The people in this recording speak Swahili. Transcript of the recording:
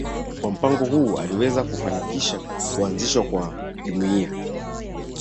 Kwa mpango huo aliweza kufanikisha kuanzishwa kwa Jumuiya